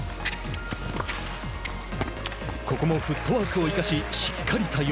ここもフットワークを生かししっかり対応。